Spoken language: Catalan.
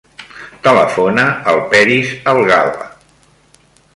Telefona al Peris Algaba.